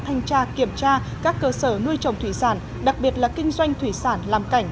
thanh tra kiểm tra các cơ sở nuôi trồng thủy sản đặc biệt là kinh doanh thủy sản làm cảnh